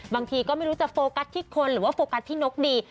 บางทีก็ไม่รู้จะโฟกัสที่คนหรือว่าโฟกัสที่นกดี